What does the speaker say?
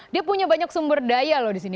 dia punya banyak sumber daya loh di sini